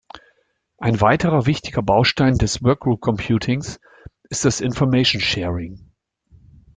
Ein weiterer wichtiger Baustein des Workgroup-Computings ist das Information Sharing.